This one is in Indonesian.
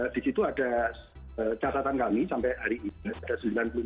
di situ ada catatan kami sampai hari ini